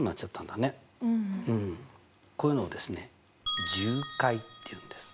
こういうのをですね重解っていうんです。